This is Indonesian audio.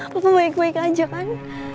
papa baik baik aja kan